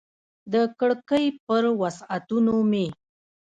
د کړکۍ پر وسعتونو مې